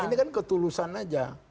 ini kan ketulusan aja